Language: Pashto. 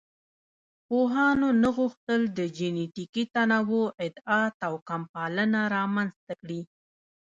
پوهانو نه غوښتل د جینټیکي تنوع ادعا توکمپالنه رامنځ ته کړي.